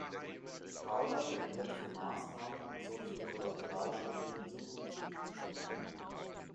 Paula plädiert für Maßnahmen, um solche Kollateralschäden in Zukunft zu vermeiden.